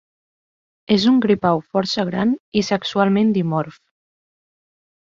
És un gripau força gran i sexualment dimorf.